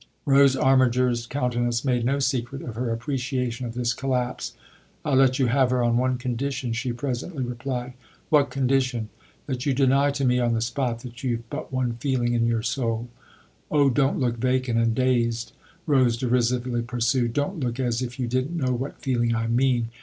Rose Armiger's countenance made no secret of her appreciation of this collapse. " I'll let you have her on one condition," she presently replied. " What condition ?" "That you deny to me on the spot that you've but one feeling in your soul. Oh, don't look vacant 230 THE OTHER HOUSE and dazed," Rose derisively pursued; "don't look as if you didn't know what feeling I mean!